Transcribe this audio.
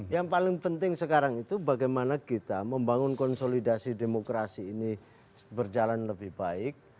yang paling penting sekarang itu bagaimana kita membangun konsolidasi demokrasi ini berjalan lebih baik